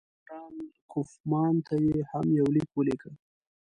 جنرال کوفمان ته یې هم یو لیک ولیکه.